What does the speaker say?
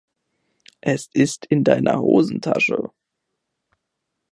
Es ist in deiner Hosentasche.